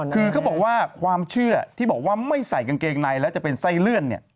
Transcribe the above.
คือเขาบอกว่าความเชื่อที่บอกว่าไม่ใส่กางเกงในแล้วจะเป็นไส้เลื่อนเนี่ย